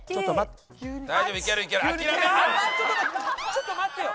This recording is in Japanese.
ちょっと待ってよ！